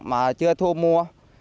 mà chưa thu mua